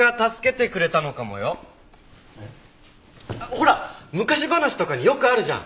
ほら昔話とかによくあるじゃん。